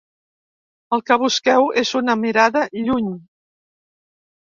El que busqueu és una mirada lluny.